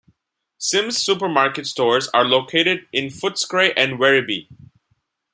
Sims Supermarket stores are located in Footscray and Werribee.